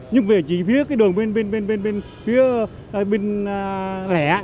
nhưng về chỉ phía cái đường bên lẻ